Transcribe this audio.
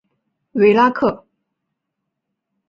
维拉克。